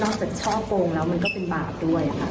จากช่อโกงแล้วมันก็เป็นบาปด้วยค่ะ